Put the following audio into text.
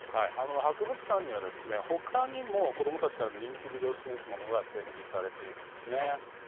博物館には他にも子どもたちからの人気ぶりを示すものが展示されているんです。